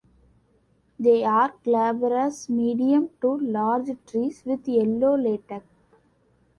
They are glabrous medium to large trees with yellow latex.